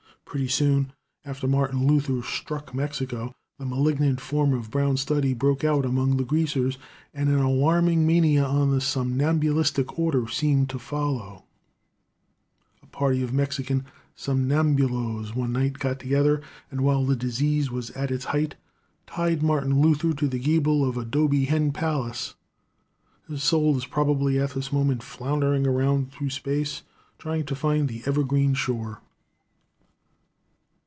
Pretty soon after Martin Luther struck Mexico the malignant form of brown study broke out among the greasers, and an alarming mania on the somnambulistic order seemed to follow it. A party of Mexican somnambuloes one night got together, and while the disease was at its height tied Martin Luther to the gable of a 'dobe hen palace. His soul is probably at this moment floundering around through space, trying to find the evergreen shore.